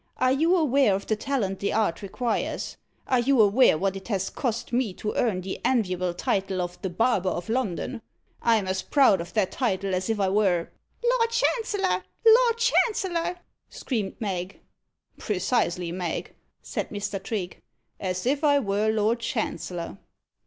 Are you aware of the talent the art requires? Are you aware what it has cost me to earn the enviable title of the Barber of London? I'm as proud of that title as if I were " "Lord Chancellor! Lord Chancellor!" screamed Mag. "Precisely, Mag," said Mr. Trigge; "as if I were Lord Chancellor."